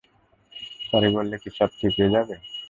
Sorry বললে কি সব ঠিক হয়ে যাবে?